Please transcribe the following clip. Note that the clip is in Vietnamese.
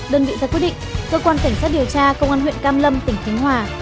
đơn vị ra quyết định cơ quan cảnh sát điều tra công an huyện cam lâm tỉnh khánh hòa